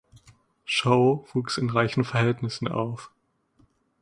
Show wuchs in reichen Verhältnissen auf.